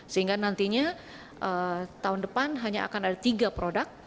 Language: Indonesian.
sehingga nantinya tahun depan hanya akan ada tiga produk